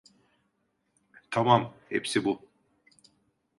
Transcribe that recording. Tamam, hepsi bu.